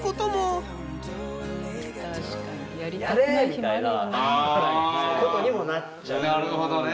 みたいなことにもなっちゃう。